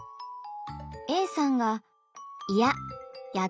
Ａさんが「いやっ！